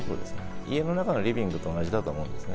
家の中のリビングと同じだと思うんですね。